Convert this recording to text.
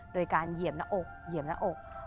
โดยการเหยียบหน้าอกเหยียบหน้าอก